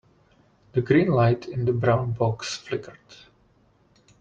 The green light in the brown box flickered.